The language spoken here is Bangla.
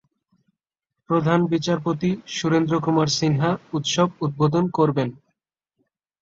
প্রধান বিচারপতি সুরেন্দ্র কুমার সিনহা উৎসব উদ্বোধন করবেন।